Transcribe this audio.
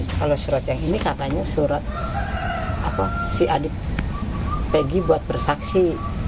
kalau surat yang ini katanya surat si adik pegi buat bersaksi